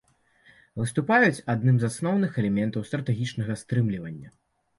Выступаюць адным з асноўных элементаў стратэгічнага стрымлівання.